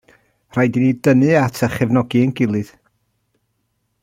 Rhaid i ni dynnu at a chefnogi ein gilydd.